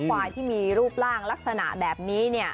ควายที่มีรูปร่างลักษณะแบบนี้